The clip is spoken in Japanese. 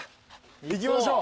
行きましょう。